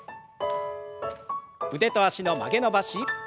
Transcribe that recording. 腕と脚の曲げ伸ばし。